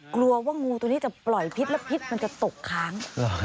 กลัวว่างูตัวนี้จะปล่อยพิษแล้วพิษมันจะตกค้าง